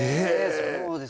そうです。